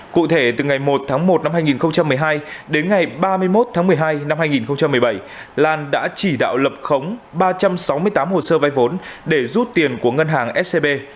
cụ thể từ ngày một tháng một năm hai nghìn một mươi hai đến ngày ba mươi một tháng một mươi hai năm hai nghìn một mươi bảy lan đã chỉ đạo lập khống ba trăm sáu mươi tám hồ sơ vay vốn để rút tiền của ngân hàng scb